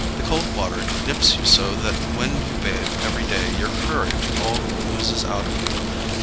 The cold water nips you so that when you bathe every day your courage all oozes out of you.